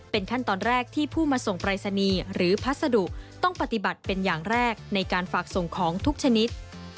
เป็นขั้นตอนแรกที่ผู้มาส่งปรายศนีย์หรือพัสดุต้องปฏิบัติเป็นอย่างแรกในการฝากส่งของทุกชนิด